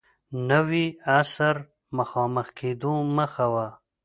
نوي عصر مخامخ کېدو مخه و.